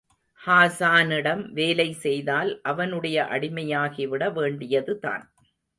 ஹாஸானிடம் வேலை செய்தால், அவனுடைய அடிமையாகிவிட வேண்டியதுதான்.